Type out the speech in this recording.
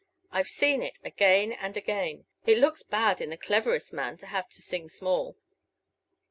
I've seen it again and again; it looks bad in the cleverest man to have to sing small."